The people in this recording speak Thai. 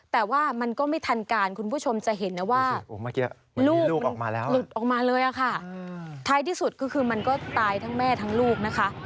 แต่ว่ามันก็ไม่ทันการคุณผู้ชมจะเห็นนะว่าลูกออกมาแล้วหลุดออกมาเลยค่ะท้ายที่สุดก็คือมันก็ตายทั้งแม่ทั้งลูกนะคะ